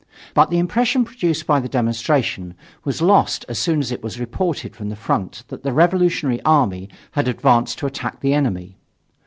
But the impression produced by the demonstration was lost as soon as it was reported from the front that the revolutionary army had advanced to attack the enemy.